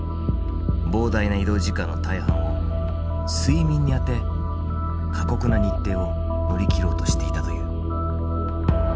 膨大な移動時間の大半を睡眠にあて過酷な日程を乗り切ろうとしていたという。